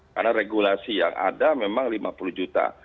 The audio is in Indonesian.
karena regulasi yang ada memang lima puluh juta